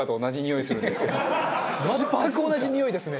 全く同じにおいですね。